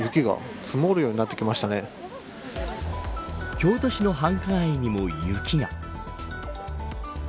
京都市の繁華街にも雪が。